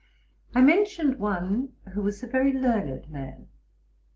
I mentioned one who was a very learned man.